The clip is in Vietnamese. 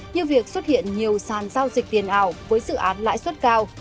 như việc xuất hiện nhiều sàn giao dịch tiền ảo với dự án lãi suất cao